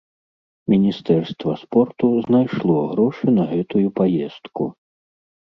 Міністэрства спорту знайшло грошы на гэтую паездку.